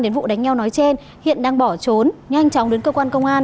đến vụ đánh nhau nói trên hiện đang bỏ trốn nhanh chóng đến cơ quan công an